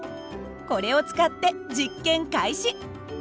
これを使って実験開始。